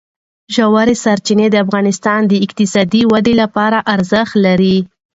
ژورې سرچینې د افغانستان د اقتصادي ودې لپاره ارزښت لري.